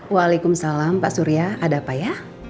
waalaikumsalam pak surya ada pak ya